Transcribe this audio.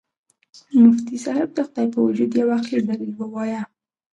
مفتي صاحب د خدای په وجود یو عقلي دلیل ووایه.